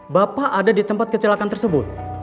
bapak ada di tempat kecelakaan tersebut